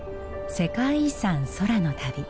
世界遺産空の旅。